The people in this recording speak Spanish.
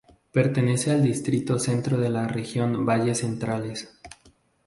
Pertenece al distrito centro de la región valles centrales.